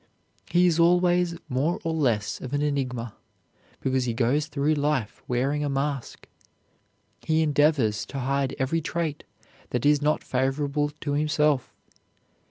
He is always more or less of an enigma, because he goes through life wearing a mask. He endeavors to hide every trait that is not favorable to himself.